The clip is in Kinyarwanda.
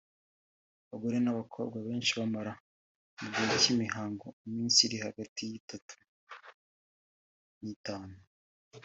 Abagore n’abakobwa benshi bamara mu gihe cy’imihango iminsi iri hagati y’itatu n’itanu